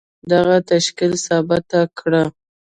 دغه تشکيل ثابته کړه.